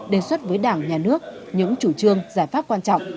đề xuất với đảng nhà nước những chủ trương giải pháp quan trọng